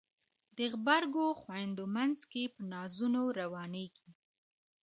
د غبرګو خویندو مینځ کې په نازونو روانیږي